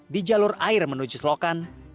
di jalur air menuju selokan